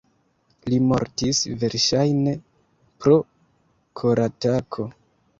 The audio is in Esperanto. Li mortis verŝajne pro koratako.